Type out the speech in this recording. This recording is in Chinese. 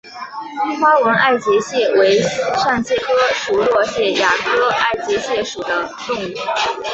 花纹爱洁蟹为扇蟹科熟若蟹亚科爱洁蟹属的动物。